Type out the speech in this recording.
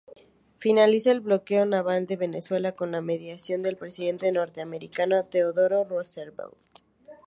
Finaliza el bloqueo naval de Venezuela con la mediación del presidente norteamericano Theodore Roosevelt.